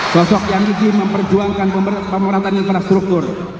sosok yang iji memperjuangkan pemerintahan infrastruktur